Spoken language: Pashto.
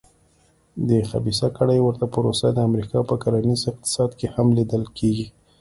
د خبیثه کړۍ ورته پروسه د امریکا په کرنیز اقتصاد کې هم لیدل کېږي.